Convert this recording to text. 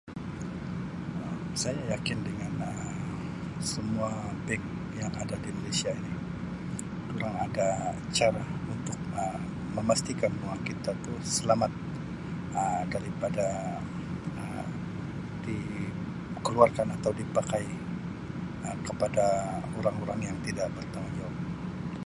Um Saya yakin dengan Um semua bank yang ada di Malaysia ini. Durang ada cara untuk Um memastikan bahawa kita itu selamat Um daripada Um dikeluarkan atau dipakai Um kepada orang-orang yang tidak bertanggungjawab.